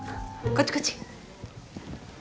こっちこっち！